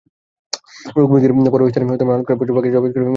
রোগ মুক্তির পর ওই স্থানে মানত করা পশু পাখি জবাই করে মিলাদ মাহফিল করতো।